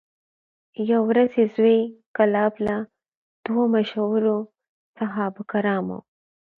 یوه ورځ یې زوی کلاب له دوو مشهورو صحابه کرامو